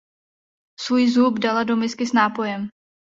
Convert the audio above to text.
Svůj zub dala do misky s nápojem.